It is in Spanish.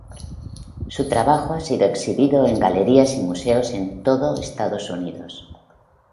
Su trabajo ha sido exhibido en galerías y museos en todo Estados Unidos.